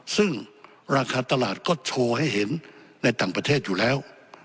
ซึ่งราคาตลาดก็โชว์ให้เห็นในต่างประเทศอยู่แล้ว